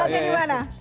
tempatnya di mana